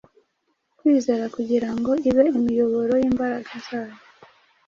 kwizera kugira ngo ibe imiyoboro y’imbaraga zayo